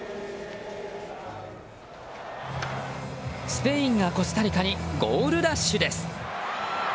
スペインがコスタリカにゴールラッシュです。